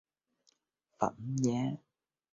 phẩm giá